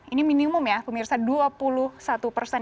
ini minimum ya pemirsa dua puluh satu persen